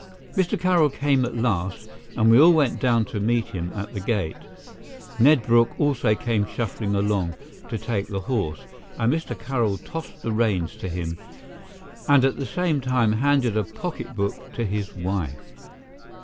Mr. Carroll came at last, and we all went down to meet him at the gate. Ned Brooke also came shuffling along to take the horse, and Mr. Carroll tossed the reins to him and at the same time handed a pocketbook to his wife.